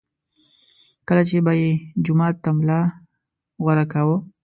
کله چې به یې جومات ته ملا غوره کاوه.